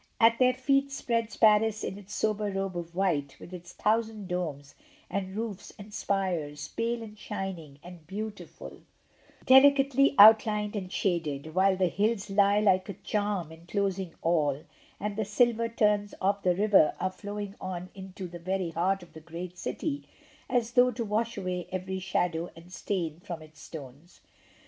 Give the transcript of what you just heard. At their feet spreads Paris in its sober robe of white, with its thousand domes and roofs and spires, pale, shining and beauti ful, delicately outlined and shaded; while the hills lie like a charm enclosing all, and the silver turns of the river are flowing on into the very heart of tlie great city, as though to wash away every shadow and stain from its stones.